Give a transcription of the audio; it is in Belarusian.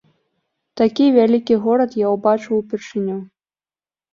Такі вялікі горад я ўбачыў упершыню.